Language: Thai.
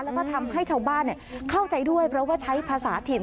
แล้วก็ทำให้ชาวบ้านเข้าใจด้วยเพราะว่าใช้ภาษาถิ่น